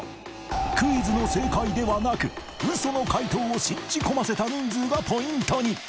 クイズの正解ではなく嘘の解答を信じ込ませた人数がポイントに！